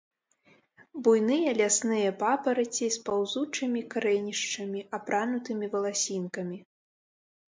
Буйныя лясныя папараці з паўзучымі карэнішчамі, апранутымі валасінкамі.